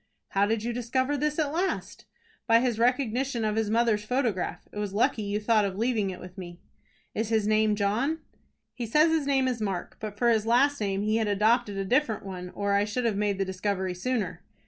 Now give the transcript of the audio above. "How did you discover this at last?" "By his recognition of his mother's photograph. It was lucky you thought of leaving it with me." "Is his name John?" "He says his name is Mark, but for his last name he had adopted a different one, or I should have made the discovery sooner."